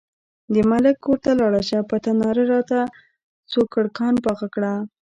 د ملک کور ته لاړه شه، په تناره راته سوکړکان پاخه کړه.